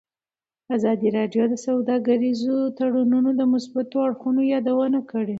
ازادي راډیو د سوداګریز تړونونه د مثبتو اړخونو یادونه کړې.